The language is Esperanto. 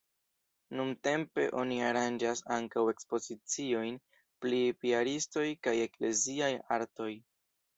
Nuntempe oni aranĝas ankaŭ ekspoziciojn pri piaristoj kaj ekleziaj artoj.